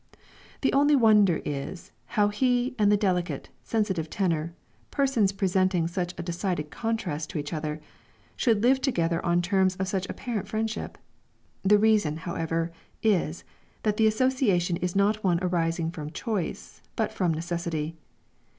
The only wonder is, how he and the delicate, sensitive tenor, persons presenting such a decided contrast to each other, should live together on terms of such apparent friendship. The reason, however, is, that the association is not one arising from choice, but from necessity.